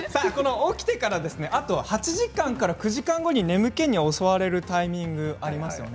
起きて８時間から９時間後に眠気に襲われるタイミングがありますよね。